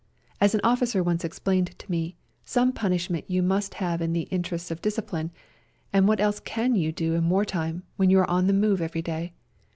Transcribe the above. As an officer once explained to me, some punishment you must have in the in terests of discipline, and what else can you do in wartime, when you are on the move every day